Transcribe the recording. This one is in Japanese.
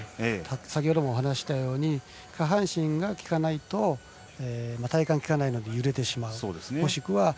先ほどもお話ししたように下半身がきかないと体幹がきかないので揺れてしまう。